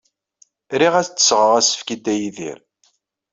Riɣ ad as-d-sɣeɣ asefk i Dda Yidir.